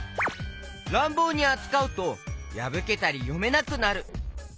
らんぼうにあつかうとやぶけたりよめなくなる。